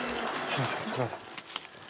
すいません